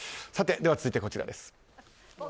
続いて、こちらです。